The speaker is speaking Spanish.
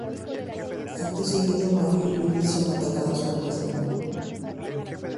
Acto seguido Mario y Luigi son atacados por la Sra.